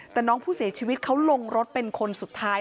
แต่น้องผู้เสียชีวิตเขาลงรถเป็นคนสุดท้าย